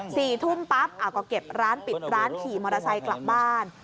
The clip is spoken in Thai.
สี่ทุ่มปั๊บอ่าก็เก็บร้านปิดร้านขี่มอเตอร์ไซค์กลับบ้าน